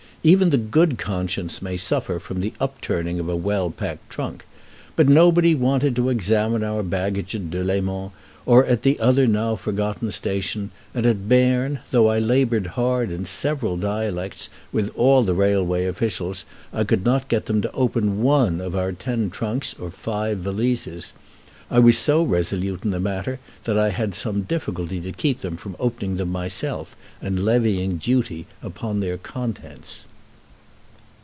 Even the good conscience may suffer from the upturning of a well packed trunk. But nobody wanted to examine our baggage at Delemont, or at the other now forgotten station; and at Berne, though I labored hard in several dialects with all the railway officials, I could not get them to open one of our ten trunks or five valises. I was so resolute in the matter that I had some difficulty to keep from opening them myself and levying duty upon their contents.